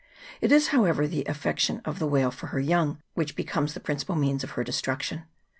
It is, however, the affection of the whale for her young which becomes the principal means of her destruction.